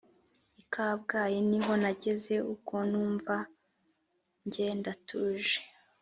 i kabgayi niho nageze ubwo numva njye ndatuje